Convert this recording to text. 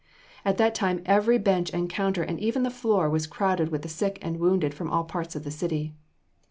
At that time every bench and counter and even the floor was crowded with the sick and wounded from all parts of the city.